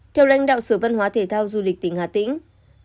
theo lãnh đạo sở văn hóa thể thao du lịch tỉnh hà tĩnh